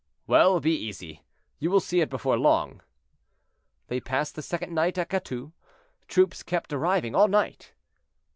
"Well, be easy, you will see it before long." They passed the second night at Catus. Troops kept arriving all night.